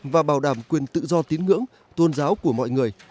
và bảo đảm quyền tự do tín ngưỡng tôn giáo của mọi người